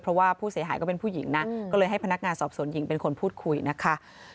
เพราะว่าผู้เสียหายก็เป็นผู้หญิงนะก็เลยให้พนักงานสอบสวนหญิงเป็นคนพูดคุยนะคะ